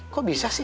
kok bisa sih